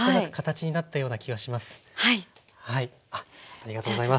ありがとうございます。